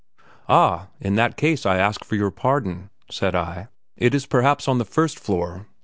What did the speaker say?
"Ah! in that case, I again ask pardon," said I. "It is perhaps on the first floor.